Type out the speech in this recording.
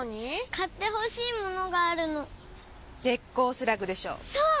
買ってほしいものがあるの鋼スラグでしょそう！